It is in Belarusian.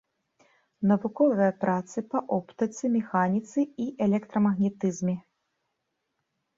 Навуковыя працы па оптыцы, механіцы і электрамагнетызме.